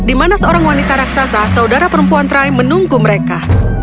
di mana seorang wanita raksasa saudara perempuan trai menunggu mereka